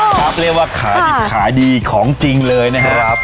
คำเรียกว่าขายดีของจริงเลยนะครับ